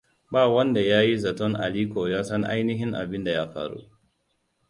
Ba wanda ya yi zaton Aliko ya san ainihin abin da ya faru.